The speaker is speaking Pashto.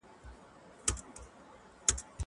زه اوس مېوې وچوم!!